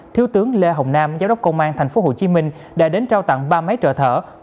thiếu tướng lê hồng nam giáo đốc công an tp hcm đã đến trao tặng ba máy trợ thở